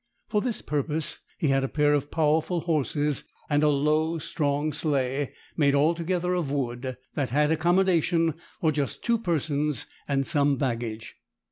For this purpose he had a pair of powerful horses and a low, strong sleigh, made altogether of wood, that had accommodation for just two persons and some baggage.